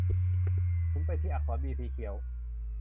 หมุนไปที่อักษรบีสีเขียว